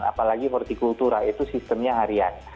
apalagi hortikultura itu sistemnya harian